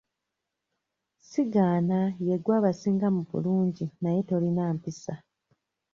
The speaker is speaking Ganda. Sigaana ye gwe abasinga mu bulungi naye tolina mpisa.